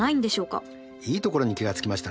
いいところに気が付きましたね。